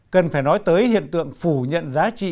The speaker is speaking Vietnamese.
cần phải nói tới hiện tượng phủ nhận giá trị